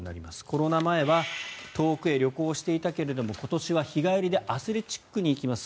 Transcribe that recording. コロナ前は遠くへ旅行していたけれど今年は日帰りでアスレチックへ行きます